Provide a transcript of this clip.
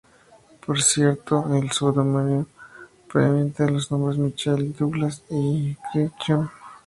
Por cierto, el seudónimo proviene de los nombres Michael y Douglas Crichton.